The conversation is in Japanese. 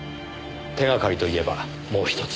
手がかりといえばもうひとつ。